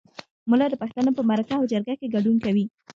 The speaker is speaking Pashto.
ملا د پښتانه په مرکه او جرګه کې ګډون کوي.